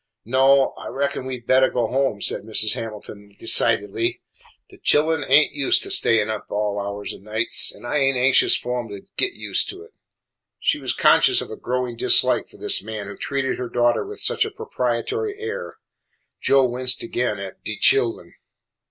"No, I reckon we 'd bettah go home," said Mrs. Hamilton decidedly. "De chillen ain't ust to stayin' up all hours o' nights, an' I ain't anxious fu' 'em to git ust to it." She was conscious of a growing dislike for this man who treated her daughter with such a proprietary air. Joe winced again at "de chillen."